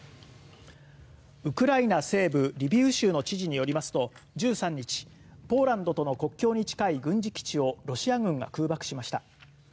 ウクライナ西部リビウ州の知事によりますと１３日ポーランドとの国境に近い軍事基地をロシア軍が空爆しました。